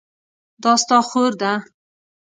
دا ستا خور ده؟